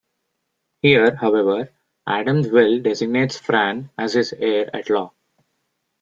Here, however, Adam's will designates Fran as his heir at law.